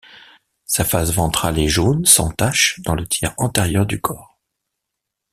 Sa face ventrale est jaune sans taches dans le tiers antérieur du corps.